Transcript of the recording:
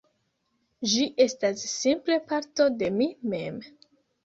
Ĝi estas simple parto de mi mem